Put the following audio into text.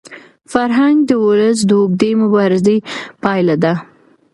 فرهنګ د ولس د اوږدې مبارزې پایله ده.